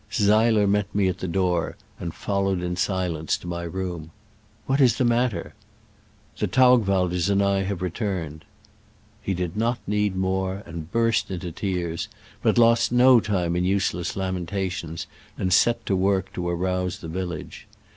Seiler met me at his door, and followed in silence to my room :'* What is the matter ?'* "The Taugwalders and I have returned." He did not need more, and burst into tears, but lost no time in use less lamentations, and set to work to arouse the village.